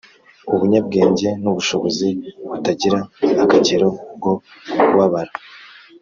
ubunyabwenge nubushobozi butagira akagero bwo kubabara